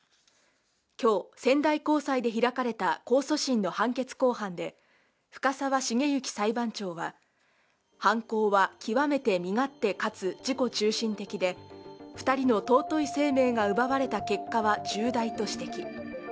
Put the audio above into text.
今日、仙台高裁で開かれた控訴審の判決公判で深沢茂之裁判長は犯行は極めて身勝手かつ自己中心的で、２人の尊い生命が奪われた結果は重大と指摘。